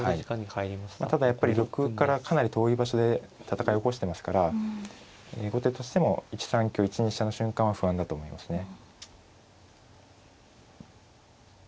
ただやっぱり玉からかなり遠い場所で戦い起こしてますから後手としても１三香１二飛車の瞬間は不安だと思いますね。